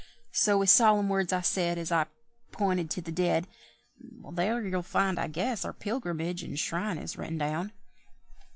So with solemn words I said, As I pinted to the dead, "There you'll find, I guess, our pilgrimage and shrine is written down."